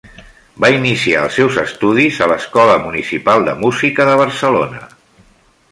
Va iniciar els seus estudis a l'Escola Municipal de Música de Barcelona.